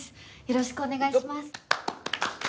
よろしくお願いします。